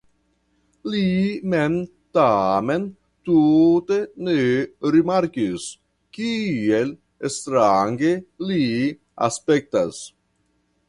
Li mem tamen tute ne rimarkis, kiel strange li aspektas.